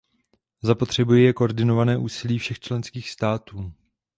Zapotřebí je koordinované úsilí všech členských států.